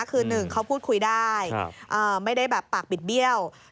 คือหนึ่งเขาพูดคุยได้ไม่ได้แบบปากบิดเบี้ยว